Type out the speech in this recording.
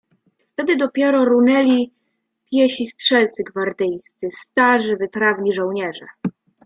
"Wtedy dopiero runęli piesi strzelcy gwardyjscy, starzy, wytrawni żołnierze."